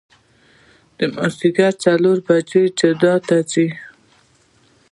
د مازدیګر څلور بجې جدې ته ځو.